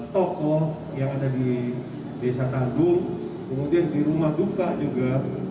toko yang ada di desa tanggul kemudian di rumah duka juga